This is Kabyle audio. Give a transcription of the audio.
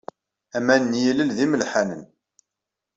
Aman n yilel d imelḥanen.